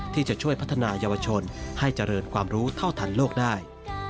ที่จะช่วยพัฒนายาวชนให้เจริญความรู้เท่าทันโลกได้